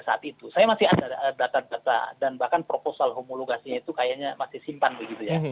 saya masih ada data data dan bahkan proposal homologasinya itu kayaknya masih simpan begitu ya